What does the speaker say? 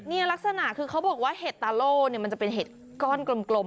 นี่ลักษณะคือเขาบอกว่าเห็ดตาโล่มันจะเป็นเห็ดก้อนกลม